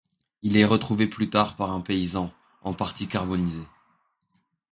Il est retrouvé plus tard par un paysan, en partie carbonisé.